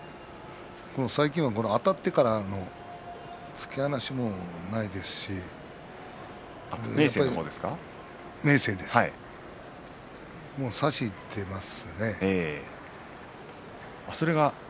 最近はあたってからの突き放しもないですし明生は差しにいってますね。